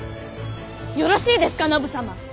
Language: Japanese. よろしいですか信様！